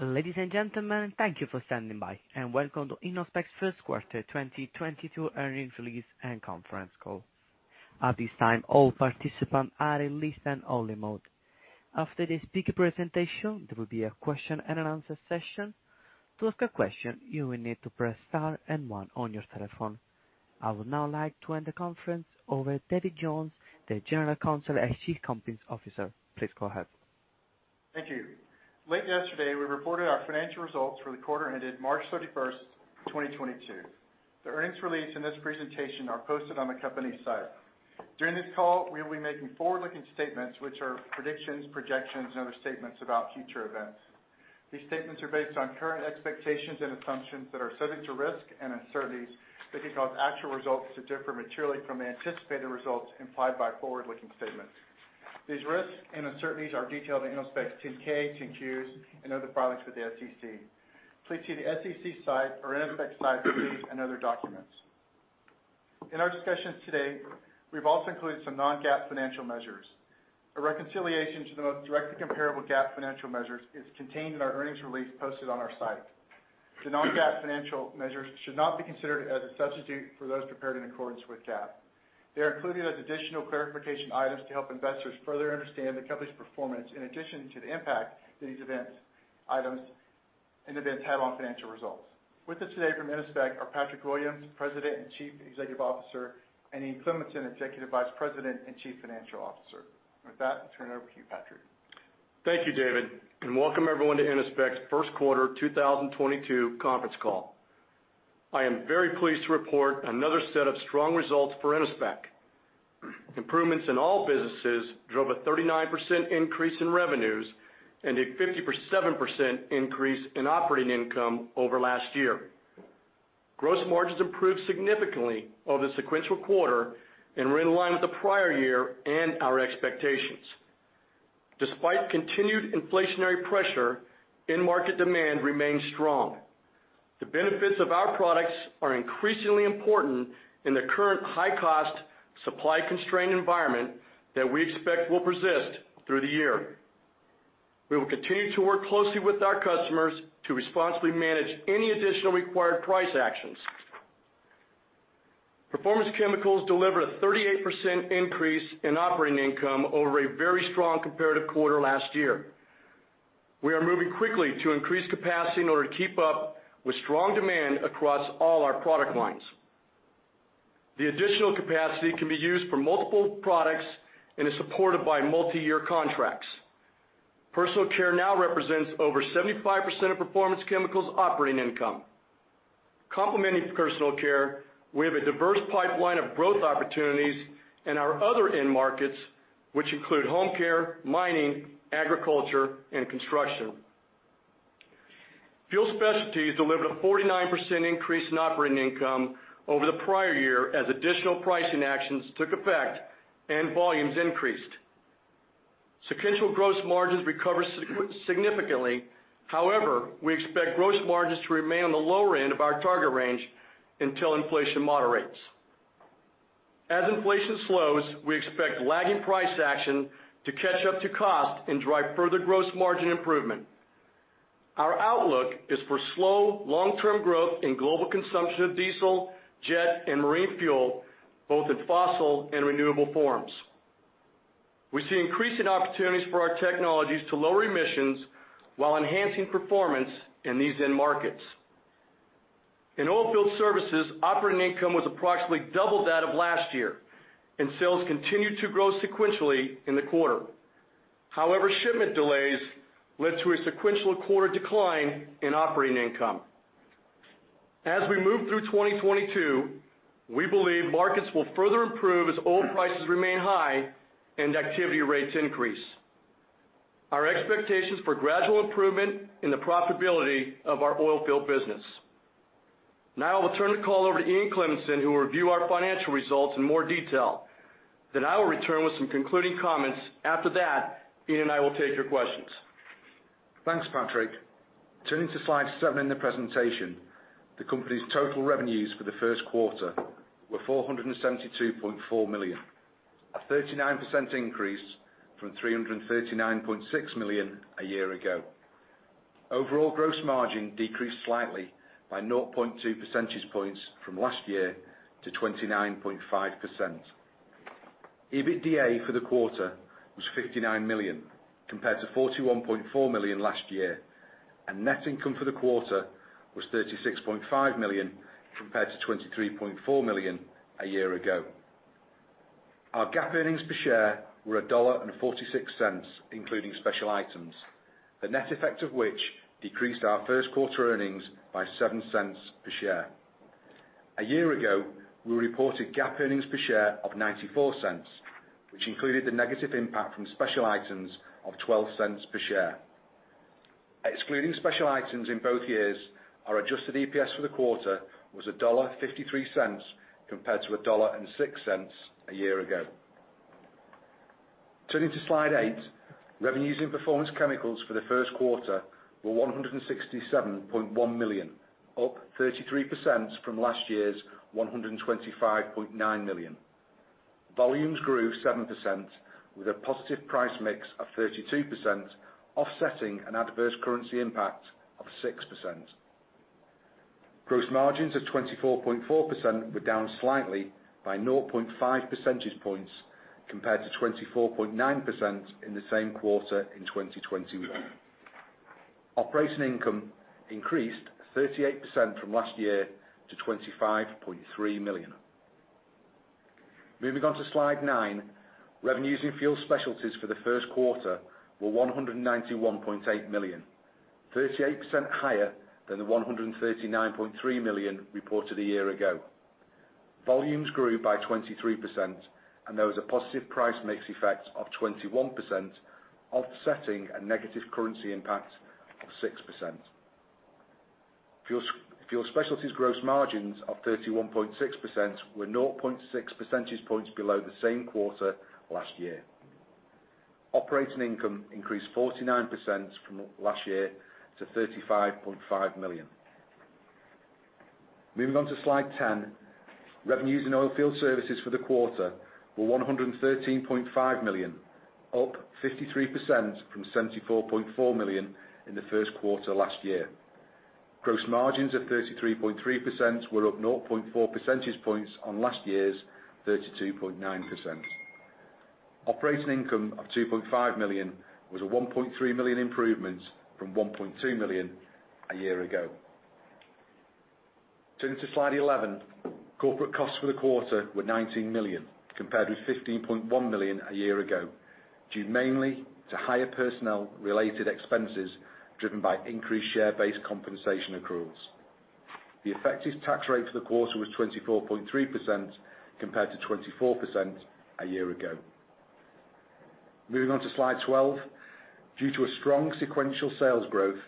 Ladies and gentlemen, thank you for standing by, and welcome to Innospec's first quarter 2022 earnings release and conference call. At this time, all participants are in listen only mode. After the speaker presentation, there will be a question-and-answer session. To ask a question, you will need to press Star and one on your telephone. I would now like to hand the conference over to David Jones, the General Counsel and Chief Compliance Officer. Please go ahead. Thank you. Late yesterday, we reported our financial results for the quarter-ended March 31st, 2022. The earnings release in this presentation are posted on the company's site. During this call, we will be making forward-looking statements which are predictions, projections and other statements about future events. These statements are based on current expectations and assumptions that are subject to risk and uncertainties that could cause actual results to differ materially from the anticipated results implied by forward-looking statements. These risks and uncertainties are detailed in Innospec's 10-K, 10-Qs, and other filings with the SEC. Please see the SEC site or Innospec's site for these and other documents. In our discussions today, we've also included some non-GAAP financial measures. A reconciliation to the most directly comparable GAAP financial measures is contained in our earnings release posted on our site. The non-GAAP financial measures should not be considered as a substitute for those prepared in accordance with GAAP. They are included as additional clarification items to help investors further understand the company's performance in addition to the impact these events, items and events have on financial results. With us today from Innospec are Patrick Williams, President and Chief Executive Officer, and Ian Cleminson, Executive Vice President and Chief Financial Officer. With that, I'll turn it over to you, Patrick. Thank you, David, and welcome everyone to Innospec's first quarter 2022 conference call. I am very pleased to report another set of strong results for Innospec. Improvements in all businesses drove a 39% increase in revenues and a 57% increase in operating income over last year. Gross margins improved significantly over the sequential quarter and were in line with the prior year and our expectations. Despite continued inflationary pressure, end market demand remains strong. The benefits of our products are increasingly important in the current high cost, supply constrained environment that we expect will persist through the year. We will continue to work closely with our customers to responsibly manage any additional required price actions. Performance Chemicals delivered a 38% increase in operating income over a very strong comparative quarter last year. We are moving quickly to increase capacity in order to keep up with strong demand across all our product lines. The additional capacity can be used for multiple products and is supported by multi-year contracts. Personal care now represents over 75% of Performance Chemicals operating income. Complementing personal care, we have a diverse pipeline of growth opportunities in our other end markets which include home care, mining, agriculture and construction. Fuel Specialties delivered a 49% increase in operating income over the prior year as additional pricing actions took effect and volumes increased. Sequential gross margins recovered significantly. However, we expect gross margins to remain on the lower end of our target range until inflation moderates. As inflation slows, we expect lagging price action to catch up to cost and drive further gross margin improvement. Our outlook is for slow long-term growth in global consumption of diesel, jet and marine fuel, both in fossil and renewable forms. We see increasing opportunities for our technologies to lower emissions while enhancing performance in these end markets. In Oilfield Services, operating income was approximately double that of last year, and sales continued to grow sequentially in the quarter. However, shipment delays led to a sequential quarter decline in operating income. As we move through 2022, we believe markets will further improve as oil prices remain high and activity rates increase. Our expectations for gradual improvement in the profitability of our Oilfield business. Now I will turn the call over to Ian Cleminson, who will review our financial results in more detail. Then I will return with some concluding comments. After that, Ian and I will take your questions. Thanks, Patrick. Turning to Slide 7 in the presentation. The company's total revenues for the first quarter were $472.4 million, a 39% increase from $339.6 million a year ago. Overall gross margin decreased slightly by 0.2% points from last year to 29.5%. EBITDA for the quarter was $59 million, compared to $41.4 million last year, and net income for the quarter was $36.5 million, compared to $23.4 million a year ago. Our GAAP earnings per share were $1.46, including special items, the net effect of which decreased our first quarter earnings by $0.07 per share. A year ago, we reported GAAP earnings per share of $0.94, which included the negative impact from special items of $0.12 per share. Excluding special items in both years, our adjusted EPS for the quarter was $1.53 compared to $1.06 a year ago. Turning to Slide 8. Revenues in Performance Chemicals for the first quarter were $167.1 million, up 33% from last year's $125.9 million. Volumes grew 7%, with a positive price mix of 32% offsetting an adverse currency impact of 6%. Gross margins of 24.4% were down slightly by 0.5% points compared to 24.9% in the same quarter in 2021. Operating income increased 38% from last year to $25.3 million. Moving on to Slide 9. Revenues in Fuel Specialties for the first quarter were $191.8 million, 38% higher than the $139.3 million reported a year ago. Volumes grew by 23%, and there was a positive price mix effect of 21% offsetting a negative currency impact of 6%. Fuel Specialties gross margins of 31.6% were 0.6% points below the same quarter last year. Operating income increased 49% from last year to $35.5 million. Moving on to Slide 10. Revenues in Oilfield Services for the quarter were $113.5 million, up 53% from $74.4 million in the first quarter last year. Gross margins of 33.3% were up 0.4% points on last year's 32.9%. Operating income of $2.5 million was a $1.3 million improvement from $1.2 million a year ago. Turning to Slide 11. Corporate costs for the quarter were $19 million, compared with $15.1 million a year ago, due mainly to higher personnel related expenses driven by increased share-based compensation accruals. The effective tax rate for the quarter was 24.3%, compared to 24% a year ago. Moving on to Slide 12. Due to a strong sequential sales growth,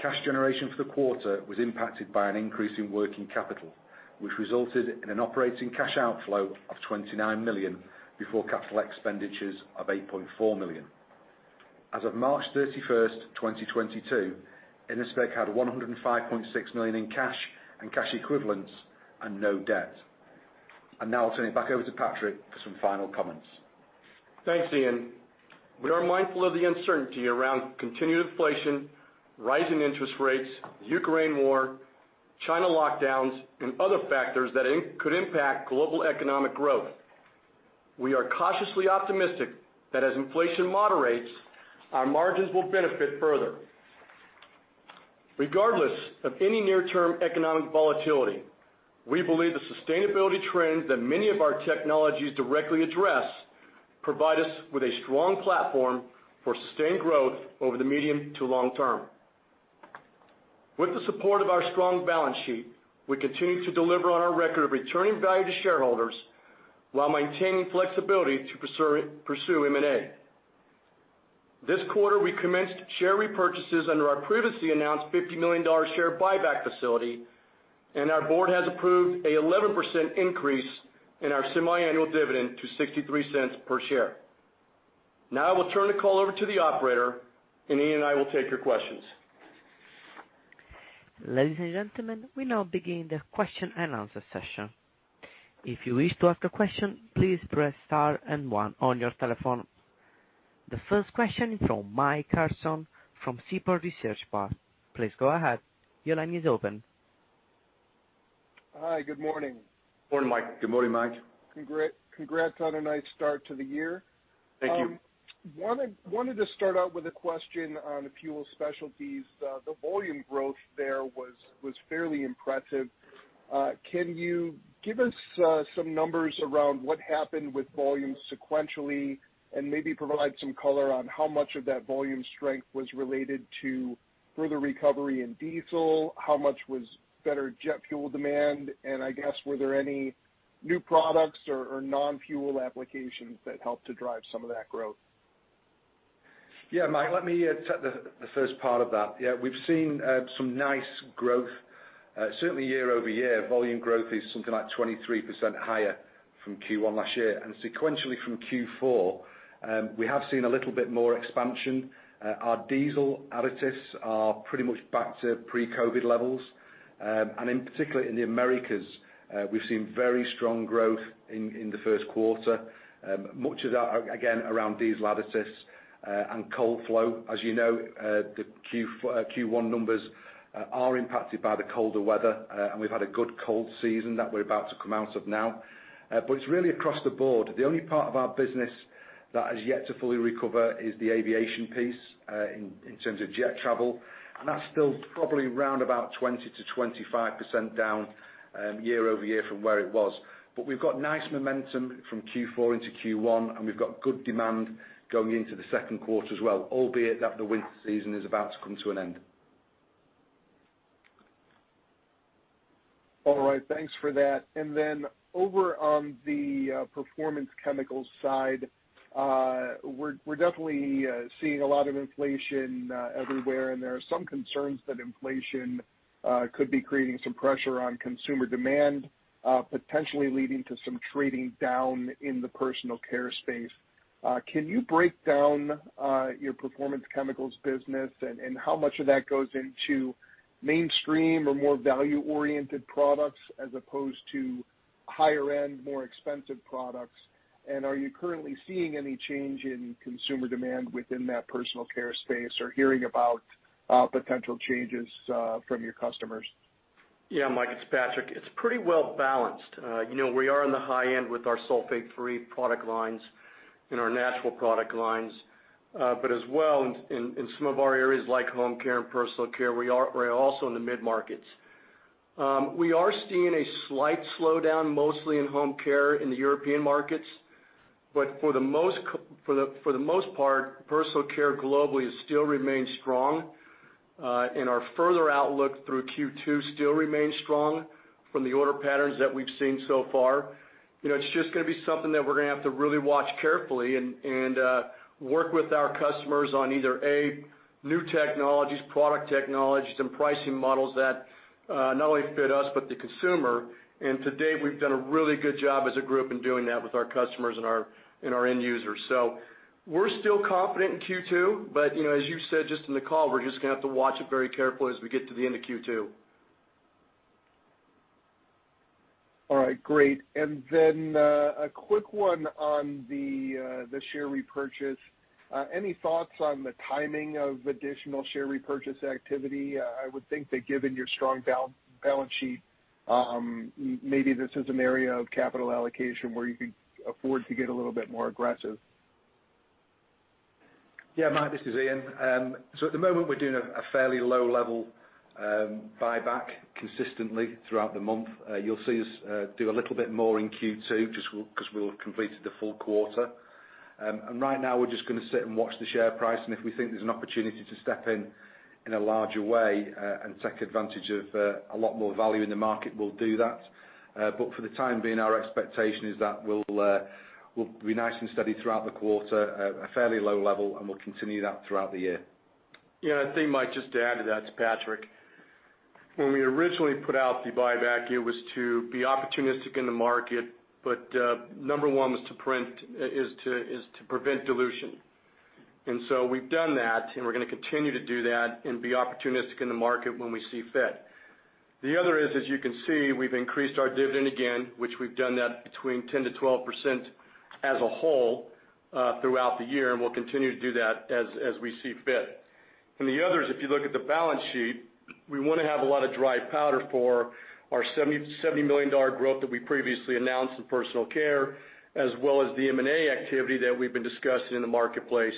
cash generation for the quarter was impacted by an increase in working capital, which resulted in an operating cash outflow of $29 million before capital expenditures of $8.4 million. As of March 31st, 2022, Innospec had $105.6 million in cash and cash equivalents and no debt. Now I'll turn it back over to Patrick for some final comments. Thanks, Ian. We are mindful of the uncertainty around continued inflation, rising interest rates, the Ukraine war, China lockdowns, and other factors that could impact global economic growth. We are cautiously optimistic that as inflation moderates, our margins will benefit further. Regardless of any near-term economic volatility, we believe the sustainability trends that many of our technologies directly address provide us with a strong platform for sustained growth over the medium to long-term. With the support of our strong balance sheet, we continue to deliver on our record of returning value to shareholders while maintaining flexibility to pursue M&A. This quarter, we commenced share repurchases under our previously announced $50 million share buyback facility, and our Board has approved an 11% increase in our semiannual dividend to $0.63 per share. Now I will turn the call over to the operator, and Ian and I will take your questions. Ladies and gentlemen, we now begin the question-and-answer session. If you wish to ask a question, please press Star and one on your telephone. The first question is from Mike Harrison from Seaport Research Partners. Please go ahead. Your line is open. Hi. Good morning. Morning, Mike. Good morning, Mike. Congrats on a nice start to the year. Thank you. Wanted to start out with a question on the Fuel Specialties. The volume growth there was fairly impressive. Can you give us some numbers around what happened with volume sequentially, and maybe provide some color on how much of that volume strength was related to further recovery in diesel? How much was better jet fuel demand? I guess were there any new products or non-fuel applications that helped to drive some of that growth? Yeah, Mike, let me take the first part of that. Yeah, we've seen some nice growth certainly year-over-year. Volume growth is something like 23% higher from Q1 last year. Sequentially from Q4, we have seen a little bit more expansion. Our diesel additives are pretty much back to pre-COVID levels. In particular, in the Americas, we've seen very strong growth in the first quarter. Much of that, again, around diesel additives and cold flow. As you know, the Q1 numbers are impacted by the colder weather, and we've had a good cold season that we're about to come out of now. It's really across the board. The only part of our business that has yet to fully recover is the aviation piece, in terms of jet travel, and that's still probably around about 20%-25% down, year-over-year from where it was. We've got nice momentum from Q4 into Q1, and we've got good demand going into the second quarter as well, albeit that the winter season is about to come to an end. All right. Thanks for that. Then over on the Performance Chemicals side, we're definitely seeing a lot of inflation everywhere, and there are some concerns that inflation could be creating some pressure on consumer demand, potentially leading to some trading down in the personal care space. Can you break down your performance chemicals business and how much of that goes into mainstream or more value-oriented products as opposed to higher end, more expensive products? Are you currently seeing any change in consumer demand within that personal care space or hearing about potential changes from your customers? Yeah, Mike, it's Patrick. It's pretty well balanced. You know, we are on the high end with our sulfate-free product lines and our natural product lines. But as well, in some of our areas like home care and personal care, we're also in the mid-markets. We are seeing a slight slowdown mostly in home care in the European markets. But for the most part, personal care globally has still remained strong. And our further outlook through Q2 still remains strong from the order patterns that we've seen so far. You know, it's just gonna be something that we're gonna have to really watch carefully and work with our customers on either, A, new technologies, product technologies, and pricing models that not only fit us, but the consumer. To date, we've done a really good job as a group in doing that with our customers and our end users. We're still confident in Q2, but, you know, as you said just in the call, we're just gonna have to watch it very carefully as we get to the end of Q2. All right, great. Then, a quick one on the share repurchase. Any thoughts on the timing of additional share repurchase activity? I would think that given your strong balance sheet, maybe this is an area of capital allocation where you could afford to get a little bit more aggressive. Yeah, Mike, this is Ian. So at the moment, we're doing a fairly low level buyback consistently throughout the month. You'll see us do a little bit more in Q2, just because we'll have completed the full quarter. Right now, we're just gonna sit and watch the share price, and if we think there's an opportunity to step in in a larger way, and take advantage of a lot more value in the market, we'll do that. For the time being, our expectation is that we'll be nice and steady throughout the quarter at a fairly low level, and we'll continue that throughout the year. Yeah. I think, Mike, just to add to that, it's Patrick. When we originally put out the buyback, it was to be opportunistic in the market, but number one was to prevent dilution. We've done that, and we're gonna continue to do that and be opportunistic in the market when we see fit. The other is, as you can see, we've increased our dividend again, which we've done that between 10%-12% as a whole throughout the year, and we'll continue to do that as we see fit. The other is, if you look at the balance sheet, we wanna have a lot of dry powder for our $70 million growth that we previously announced in personal care as well as the M&A activity that we've been discussing in the marketplace.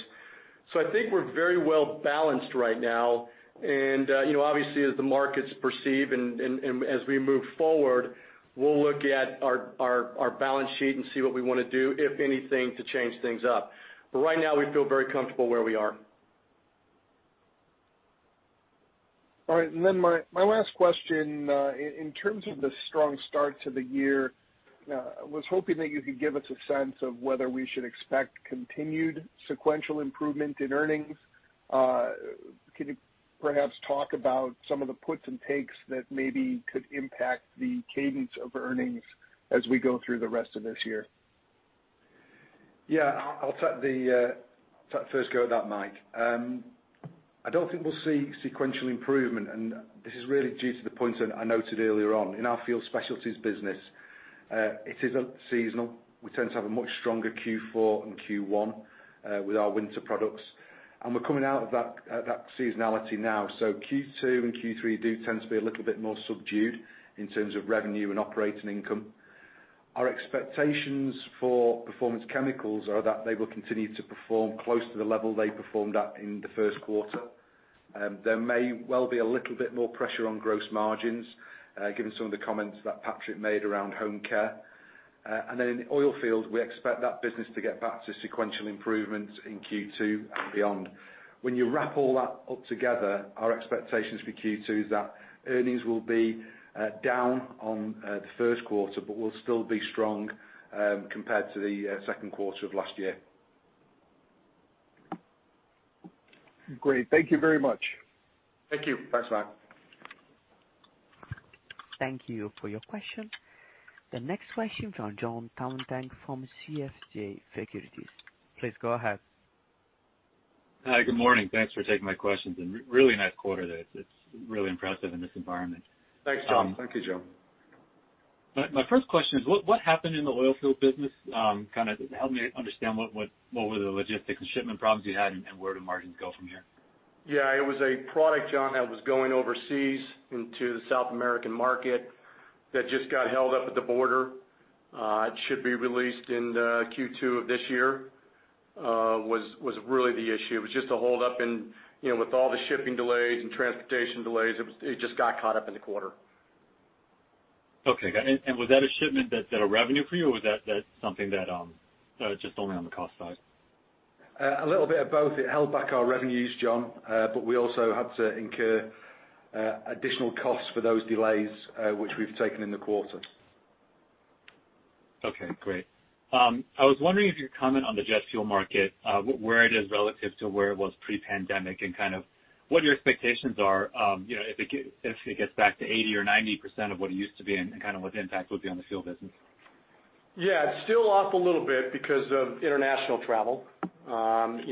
I think we're very well balanced right now. You know, obviously, as the markets perceive and as we move forward, we'll look at our balance sheet and see what we wanna do, if anything, to change things up. Right now, we feel very comfortable where we are. All right. My last question, in terms of the strong start to the year, I was hoping that you could give us a sense of whether we should expect continued sequential improvement in earnings. Can you perhaps talk about some of the puts and takes that maybe could impact the cadence of earnings as we go through the rest of this year? Yeah. I'll take first go at that, Mike. I don't think we'll see sequential improvement, and this is really due to the point I noted earlier on. In our Fuel Specialties business, it isn't seasonal. We tend to have a much stronger Q4 and Q1 with our winter products, and we're coming out of that seasonality now. Q2 and Q3 do tend to be a little bit more subdued in terms of revenue and operating income. Our expectations for Performance Chemicals are that they will continue to perform close to the level they performed at in the first quarter. There may well be a little bit more pressure on gross margins, given some of the comments that Patrick made around home care. In the Oilfield, we expect that business to get back to sequential improvements in Q2 and beyond. When you wrap all that up together, our expectations for Q2 is that earnings will be down on the first quarter, but will still be strong compared to the second quarter of last year. Great. Thank you very much. Thank you. Thanks, Mike. Thank you for your question. The next question from Jon Tanwanteng from CJS Securities. Please go ahead. Hi. Good morning. Thanks for taking my questions. Really nice quarter there. It's really impressive in this environment. Thanks, Jon. Thank you, Jon. My first question is what happened in the oilfield business? Kind of help me understand what were the logistics and shipment problems you had and where do margins go from here? Yeah. It was a product, Jon, that was going overseas into the South American market that just got held up at the border. It should be released in Q2 of this year, was really the issue. It was just a hold up and, you know, with all the shipping delays and transportation delays, it just got caught up in the quarter. Was that a shipment that a revenue for you, or was that something that just only on the cost side? A little bit of both. It held back our revenues, Jon, but we also had to incur additional costs for those delays, which we've taken in the quarter. Okay, great. I was wondering if you could comment on the jet fuel market, where it is relative to where it was pre-pandemic and kind of what your expectations are, you know, if it gets back to 80% or 90% of what it used to be and kind of what the impact would be on the fuel business? Yeah, it's still off a little bit because of international travel. You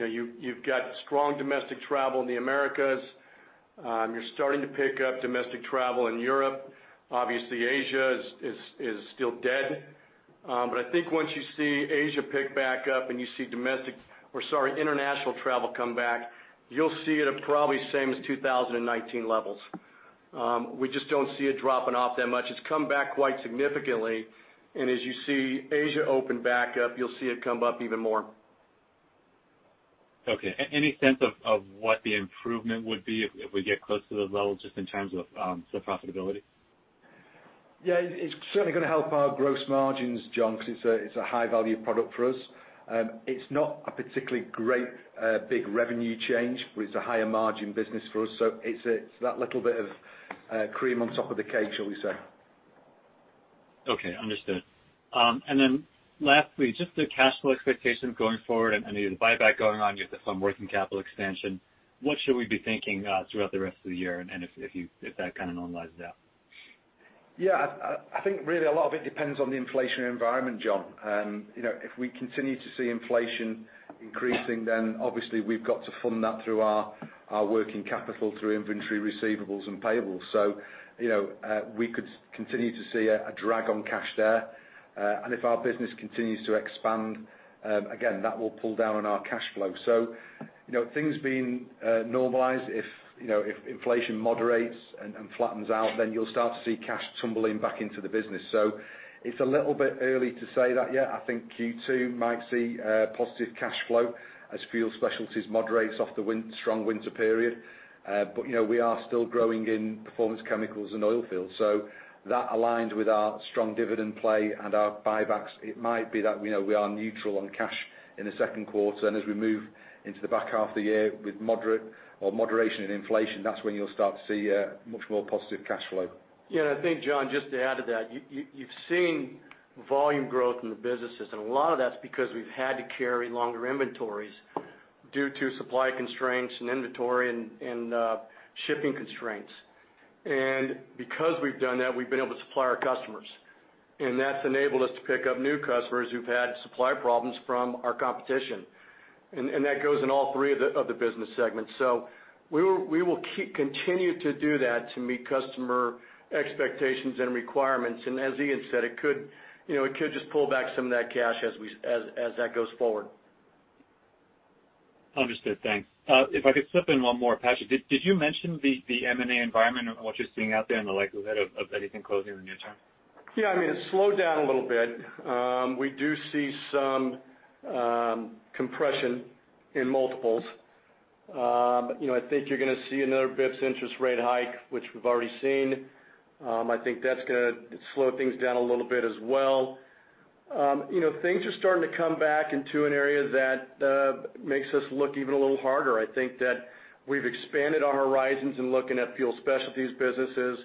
know, you've got strong domestic travel in the Americas. You're starting to pick up domestic travel in Europe. Obviously, Asia is still dead. But I think once you see Asia pick back up and you see international travel come back, you'll see it at probably same as 2019 levels. We just don't see it dropping off that much. It's come back quite significantly. As you see Asia open back up, you'll see it come up even more. Okay. Any sense of what the improvement would be if we get close to the level just in terms of the profitability? Yeah. It's certainly gonna help our gross margins, Jon, because it's a high value product for us. It's not a particularly great big revenue change, but it's a higher margin business for us, so it's that little bit of cream on top of the cake, shall we say. Okay. Understood. Lastly, just the cash flow expectation going forward, and I know you have the buyback going on, you have some working capital expansion. What should we be thinking throughout the rest of the year and if that kind of normalizes out? Yeah. I think really a lot of it depends on the inflationary environment, Jon. You know, if we continue to see inflation increasing, then obviously we've got to fund that through our working capital through inventory receivables and payables. You know, we could continue to see a drag on cash there. If our business continues to expand, again, that will pull down on our cash flow. You know, things being normalized, if inflation moderates and flattens out, then you'll start to see cash tumbling back into the business. It's a little bit early to say that yet. I think Q2 might see positive cash flow as Fuel Specialties moderates off the strong winter period. You know, we are still growing in Performance Chemicals and Oilfield. That aligns with our strong dividend play and our buybacks. It might be that, you know, we are neutral on cash in the second quarter. As we move into the back half of the year with moderate or moderation in inflation, that's when you'll start to see much more positive cash flow. Yeah. I think, Jon, just to add to that, you've seen volume growth in the businesses, and a lot of that's because we've had to carry longer inventories due to supply constraints and inventory and shipping constraints. Because we've done that, we've been able to supply our customers, and that's enabled us to pick up new customers who've had supply problems from our competition. That goes in all three of the business segments. We will continue to do that to meet customer expectations and requirements. As Ian said, it could, you know, just pull back some of that cash as that goes forward. Understood. Thanks. If I could slip in one more, Patrick, did you mention the M&A environment and what you're seeing out there and the likelihood of anything closing in the near-term? Yeah, I mean, it slowed down a little bit. We do see some compression in multiples. You know, I think you're gonna see another Fed's interest rate hike, which we've already seen. I think that's gonna slow things down a little bit as well. You know, things are starting to come back into an area that makes us look even a little harder. I think that we've expanded our horizons in looking at Fuel Specialties businesses,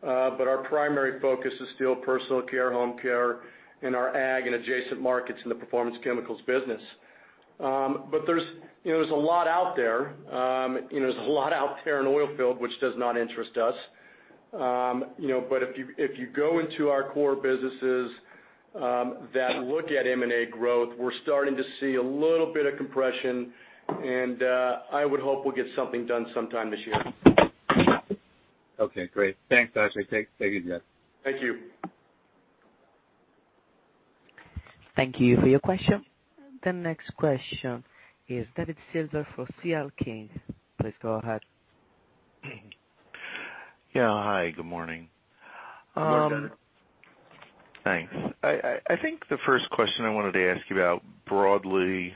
but our primary focus is still personal care, home care, and our ag and adjacent markets in the Performance Chemicals business. But there's, you know, there's a lot out there. You know, there's a lot out there in Oilfield which does not interest us. You know, if you go into our core businesses that look at M&A growth, we're starting to see a little bit of compression, and I would hope we'll get something done sometime this year. Okay, great. Thanks, Patrick. Thank you, Ian Cleminson. Thank you. Thank you for your question. The next question is David Silver for C.L. King. Please go ahead. Yeah. Hi, good morning. Good morning. Thanks. I think the first question I wanted to ask you about broadly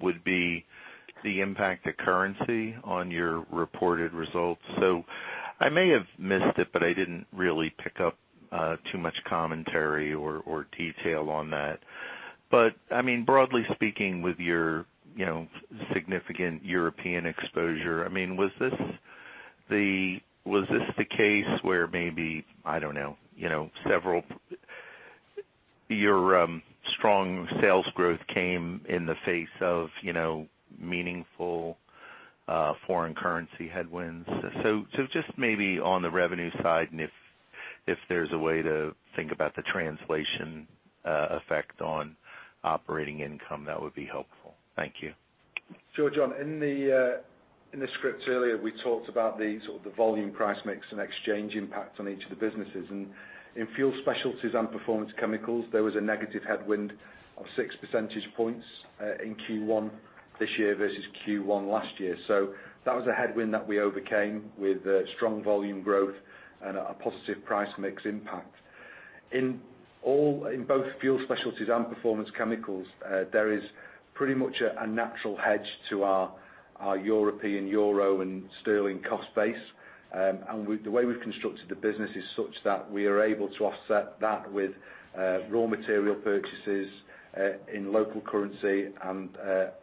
would be the impact of currency on your reported results. I may have missed it, but I didn't really pick up too much commentary or detail on that. I mean, broadly speaking, with your you know, significant European exposure, I mean, was this the case where maybe, I don't know, you know, your strong sales growth came in the face of, you know, meaningful foreign currency headwinds. Just maybe on the revenue side and if there's a way to think about the translation effect on operating income, that would be helpful. Thank you. Sure, Jon. In the script earlier, we talked about the sort of volume price mix and exchange impact on each of the businesses. In Fuel Specialties and Performance Chemicals, there was a negative headwind of 6% points in Q1 this year versus Q1 last year. That was a headwind that we overcame with strong volume growth and a positive price mix impact. In both Fuel Specialties and Performance Chemicals, there is pretty much a natural hedge to our European euro and sterling cost base. The way we've constructed the business is such that we are able to offset that with raw material purchases in local currency and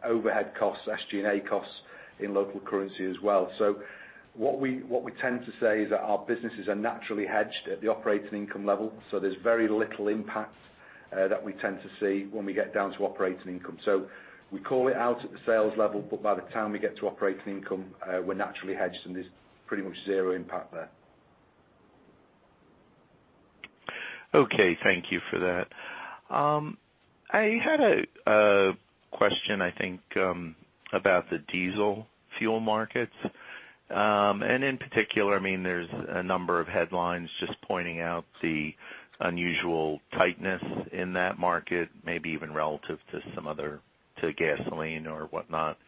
overhead costs, SG&A costs in local currency as well. What we tend to say is that our businesses are naturally hedged at the operating income level, so there's very little impact that we tend to see when we get down to operating income. We call it out at the sales level, but by the time we get to operating income, we're naturally hedged, and there's pretty much zero impact there. Okay, thank you for that. I had a question, I think, about the diesel fuel markets. In particular, I mean, there's a number of headlines just pointing out the unusual tightness in that market, maybe even relative to gasoline or whatnot.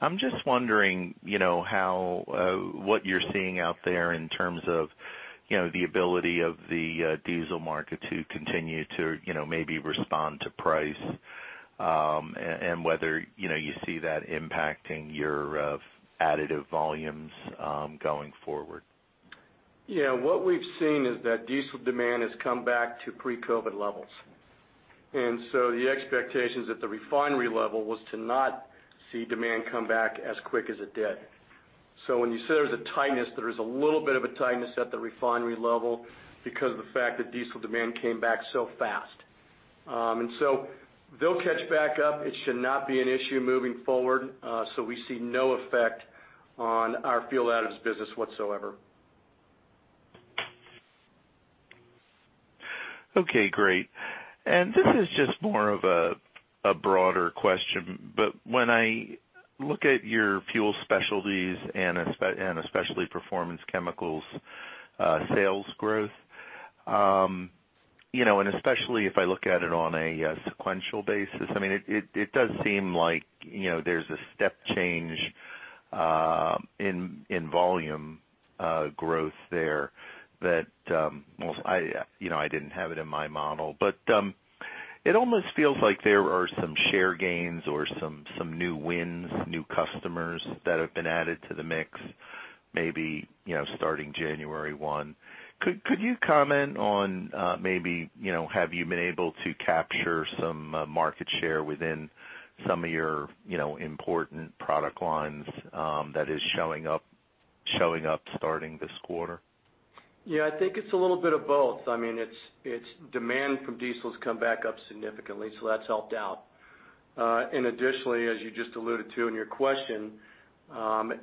I'm just wondering, you know, how what you're seeing out there in terms of, you know, the ability of the diesel market to continue to, you know, maybe respond to price, and whether, you know, you see that impacting your additive volumes going forward. Yeah. What we've seen is that diesel demand has come back to pre-COVID levels. The expectations at the refinery level was to not see demand come back as quick as it did. When you say there's a tightness, there is a little bit of a tightness at the refinery level because of the fact that diesel demand came back so fast. They'll catch back up. It should not be an issue moving forward. We see no effect on our fuel additives business whatsoever. Okay, great. This is just more of a broader question, but when I look at your Fuel Specialties and especially Performance Chemicals sales growth, you know, and especially if I look at it on a sequential basis, I mean, it does seem like, you know, there's a step change in volume growth there that, well, I, you know, I didn't have it in my model. It almost feels like there are some share gains or some new wins, new customers that have been added to the mix, maybe, you know, starting January 1. Could you comment on, maybe, you know, have you been able to capture some market share within some of your, you know, important product lines that is showing up starting this quarter? Yeah, I think it's a little bit of both. I mean, it's demand from diesel has come back up significantly, so that's helped out. Additionally, as you just alluded to in your question,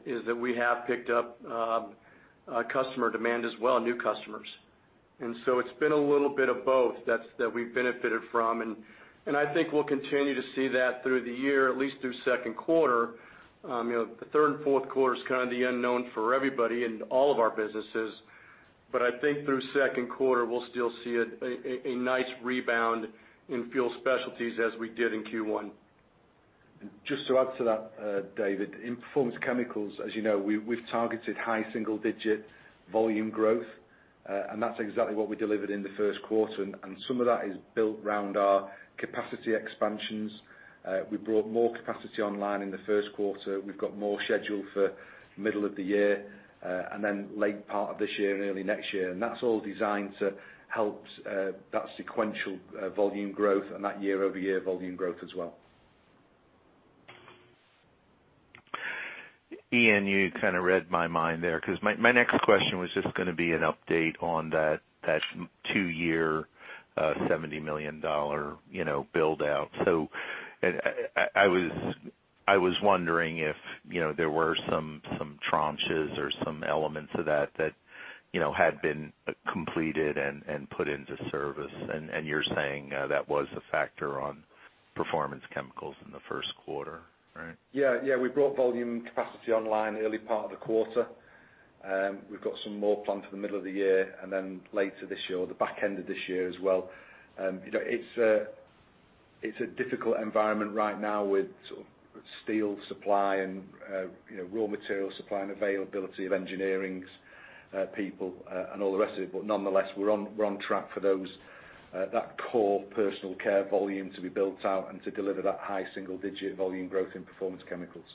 is that we have picked up customer demand as well, new customers. It's been a little bit of both that we've benefited from. I think we'll continue to see that through the year, at least through second quarter. You know, the third and fourth quarter is kind of the unknown for everybody in all of our businesses. I think through second quarter, we'll still see a nice rebound in Fuel Specialties as we did in Q1. Just to add to that, David, in Performance Chemicals, as you know, we've targeted high single-digit volume growth, and that's exactly what we delivered in the first quarter. Some of that is built around our capacity expansions. We brought more capacity online in the first quarter. We've got more scheduled for middle of the year, and then late part of this year and early next year. That's all designed to help that sequential volume growth and that year-over-year volume growth as well. Ian, you kind of read my mind there because my next question was just gonna be an update on that two-year $70 million, you know, build out. I was wondering if, you know, there were some tranches or some elements of that that, you know, had been completed and put into service. You're saying that was a factor on Performance Chemicals in the first quarter, right? Yeah, yeah. We brought volume capacity online early part of the quarter. We've got some more planned for the middle of the year and then later this year or the back end of this year as well. You know, it's a difficult environment right now with steel supply and, you know, raw material supply and availability of engineers, people, and all the rest of it. Nonetheless, we're on track for those that core personal care volume to be built out and to deliver that high single-digit volume growth in Performance Chemicals.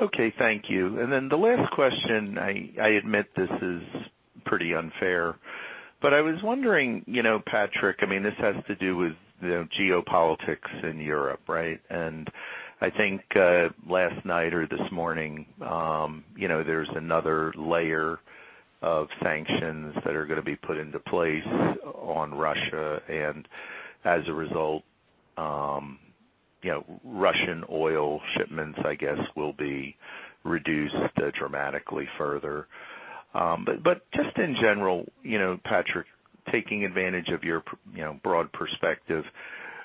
Okay, thank you. Then the last question, I admit this is pretty unfair, but I was wondering, you know, Patrick, I mean, this has to do with, you know, geopolitics in Europe, right? I think last night or this morning, you know, there's another layer of sanctions that are gonna be put into place on Russia. As a result, you know, Russian oil shipments, I guess, will be reduced dramatically further. But just in general, you know, Patrick, taking advantage of your, you know, broad perspective,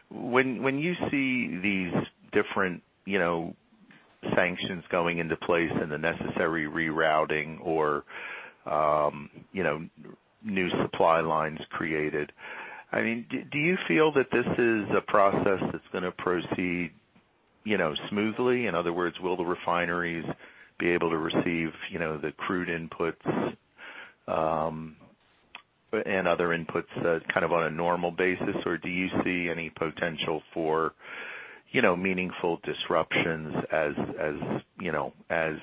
when you see these different, you know, sanctions going into place and the necessary rerouting or, you know, new supply lines created, I mean, do you feel that this is a process that's gonna proceed, you know, smoothly? In other words, will the refineries be able to receive, you know, the crude inputs, and other inputs kind of on a normal basis? Or do you see any potential for, you know, meaningful disruptions as you know as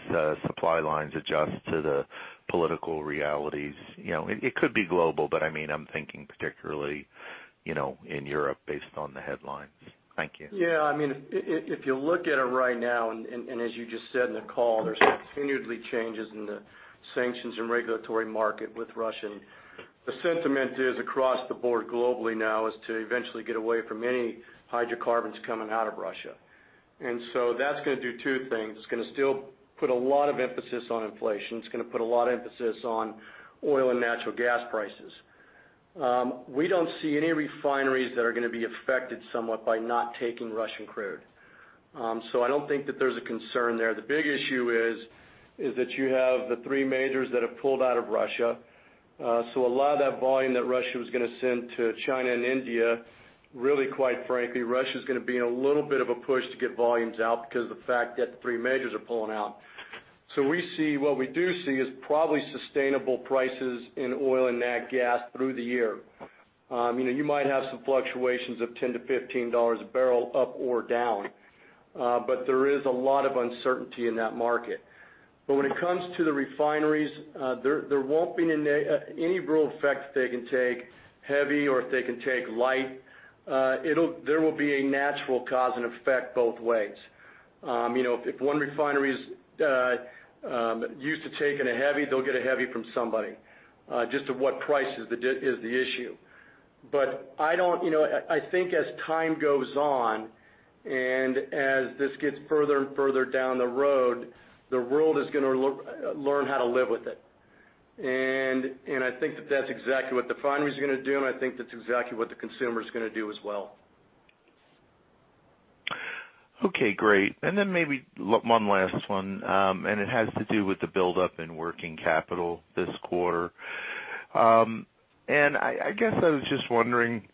supply lines adjust to the political realities? You know, it could be global, but I mean, I'm thinking particularly, you know, in Europe based on the headlines. Thank you. Yeah. I mean, if you look at it right now, and as you just said in the call, there's continual changes in the sanctions and regulatory market with Russia. The sentiment is across the board globally now is to eventually get away from any hydrocarbons coming out of Russia. So that's gonna do two things. It's gonna still put a lot of emphasis on inflation. It's gonna put a lot of emphasis on oil and natural gas prices. We don't see any refineries that are gonna be affected somewhat by not taking Russian crude. So I don't think that there's a concern there. The big issue is that you have the three majors that have pulled out of Russia. A lot of that volume that Russia was gonna send to China and India, really quite frankly, Russia's gonna be in a little bit of a push to get volumes out because of the fact that the three majors are pulling out. What we do see is probably sustainable prices in oil and nat gas through the year. You know, you might have some fluctuations of $10-$15 a barrel up or down. There is a lot of uncertainty in that market. When it comes to the refineries, there won't be any real effect if they can take heavy or if they can take light. There will be a natural cause and effect both ways. You know, if one refinery's used to taking a heavy, they'll get a heavy from somebody. Just at what price is the issue. You know, I think as time goes on, and as this gets further and further down the road, the world is gonna learn how to live with it. I think that that's exactly what the refineries are gonna do, and I think that's exactly what the consumer's gonna do as well. Okay, great. Maybe one last one, and it has to do with the buildup in working capital this quarter. I guess I was just wondering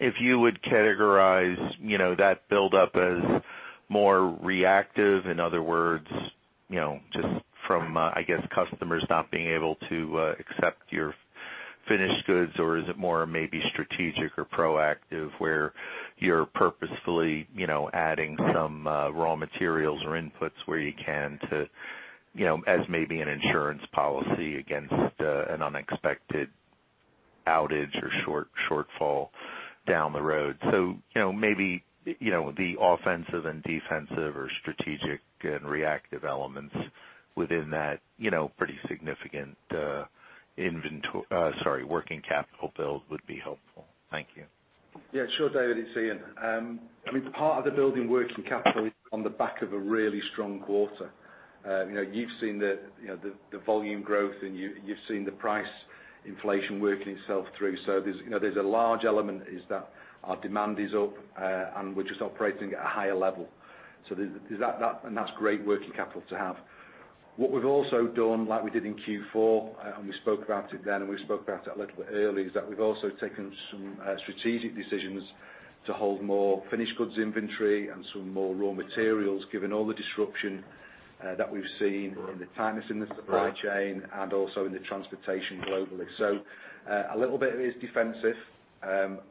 if you would categorize, you know, that buildup as more reactive, in other words, you know, just from, I guess customers not being able to accept your finished goods, or is it more maybe strategic or proactive, where you're purposefully, you know, adding some raw materials or inputs where you can to, you know, as maybe an insurance policy against an unexpected outage or shortfall down the road? You know, maybe the offensive and defensive or strategic and reactive elements within that, you know, pretty significant working capital build would be helpful. Thank you. Yeah, sure, David. It's Ian. I mean, part of the building working capital is on the back of a really strong quarter. You know, you've seen the volume growth, and you've seen the price inflation working itself through. You know, there's a large element is that our demand is up, and we're just operating at a higher level. And that's great working capital to have. What we've also done, like we did in Q4, and we spoke about it then, and we spoke about it a little bit earlier, is that we've also taken some strategic decisions to hold more finished goods inventory and some more raw materials, given all the disruption that we've seen in the tightness in the supply chain and also in the transportation globally. A little bit is defensive,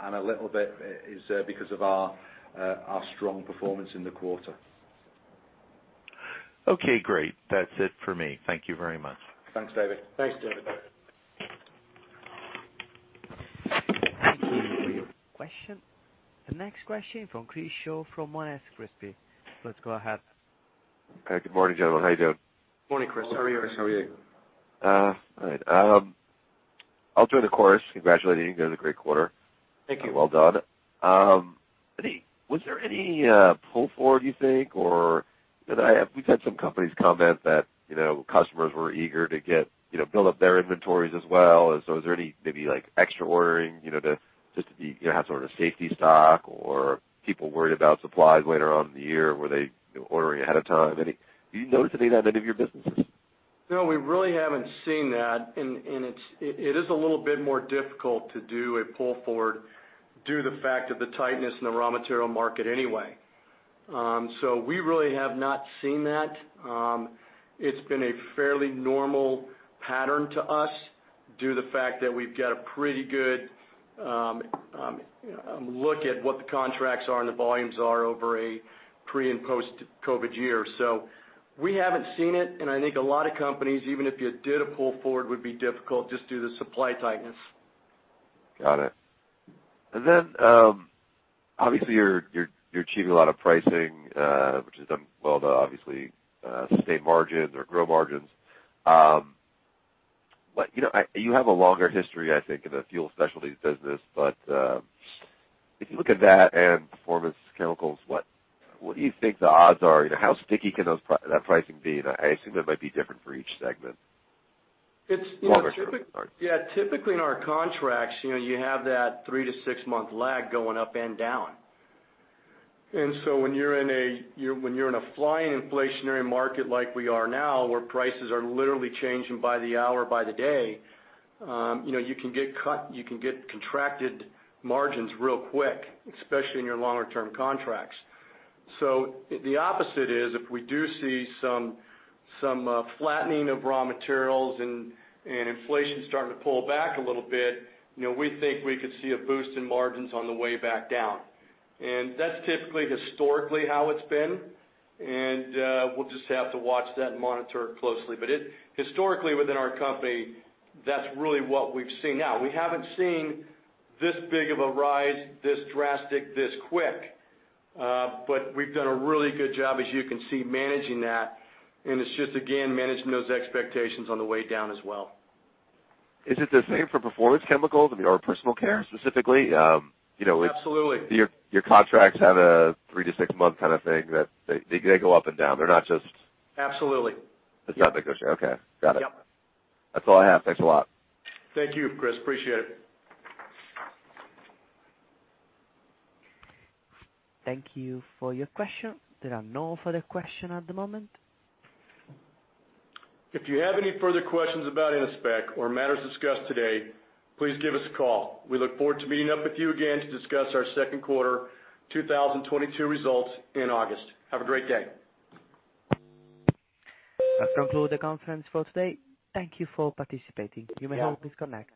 and a little bit is because of our strong performance in the quarter. Okay, great. That's it for me. Thank you very much. Thanks, David. Thanks, David. Thank you for your question. The next question from Chris Shaw from Monness, Crespi. Please go ahead. Good morning, gentlemen. How you doing? Morning, Chris. How are you? How are you? All right. I'll join the chorus. Congratulating you. Doing a great quarter. Thank you. Well done. Was there any pull forward, you think? We've had some companies comment that, you know, customers were eager to get, you know, build up their inventories as well. Is there any maybe like extra ordering, you know, to just be, have sort of safety stock or people worried about supplies later on in the year? Were they ordering ahead of time? Do you notice anything in any of your businesses? No, we really haven't seen that, and it is a little bit more difficult to do a pull forward due to the fact of the tightness in the raw material market anyway. We really have not seen that. It's been a fairly normal pattern to us due to the fact that we've got a pretty good look at what the contracts are and the volumes are over a pre- and post-COVID year. We haven't seen it, and I think a lot of companies, even if you did, a pull forward would be difficult just due to supply tightness. Got it. Then, obviously you're achieving a lot of pricing, which is done well to obviously sustain margins or grow margins. You know, you have a longer history, I think, in the Fuel Specialties business. If you look at that and Performance Chemicals, what do you think the odds are? You know, how sticky can that pricing be? I assume it might be different for each segment. It's, you know. Longer term. Sorry. Yeah. Typically in our contracts, you know, you have that three to six-month lag going up and down. When you're in a flying inflationary market like we are now, where prices are literally changing by the hour, by the day, you know, you can get cut, you can get contracted margins real quick, especially in your longer-term contracts. The opposite is, if we do see some flattening of raw materials and inflation starting to pull back a little bit, you know, we think we could see a boost in margins on the way back down. That's typically historically how it's been, and we'll just have to watch that and monitor it closely. Historically, within our company, that's really what we've seen. Now, we haven't seen this big of a rise, this drastic, this quick, but we've done a really good job, as you can see, managing that. It's just, again, managing those expectations on the way down as well. Is it the same for Performance Chemicals? I mean, or personal care specifically? You know, it's Absolutely. Your contracts have a 3-6-month kind of thing that they go up and down. They're not just- Absolutely. It's not that good. Okay. Got it. Yep. That's all I have. Thanks a lot. Thank you, Chris. Appreciate it. Thank you for your question. There are no further questions at the moment. If you have any further questions about Innospec or matters discussed today, please give us a call. We look forward to meeting up with you again to discuss our second quarter 2022 results in August. Have a great day. That concludes the conference for today. Thank you for participating. You may all disconnect.